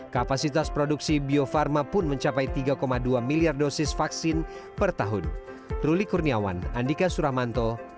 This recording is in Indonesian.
kapasitas produksi bio farma pun mencapai tiga dua miliar dosis vaksin per tahun